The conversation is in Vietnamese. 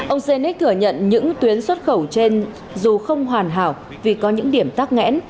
ông senik thừa nhận những tuyến xuất khẩu trên dù không hoàn hảo vì có những điểm tắc nghẽn